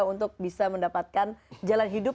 untuk bisa mendapatkan jalan hidup